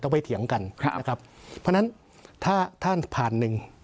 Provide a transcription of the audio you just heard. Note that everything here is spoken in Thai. ต้องไปเถียงกันนะครับเพราะฉะนั้นถ้าท่านผ่านหนึ่ง